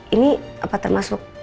ini apa termasuk